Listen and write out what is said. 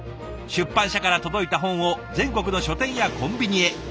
出版社から届いた本を全国の書店やコンビニへ。